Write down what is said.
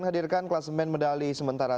menghadirkan kelas men medali sementara